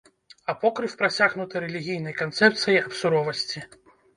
Апокрыф прасякнуты рэлігійнай канцэпцыяй аб суровасці.